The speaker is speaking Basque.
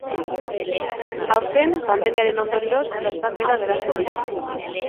Aurten, pandemiaren ondorioz, bertan behera geratu dira.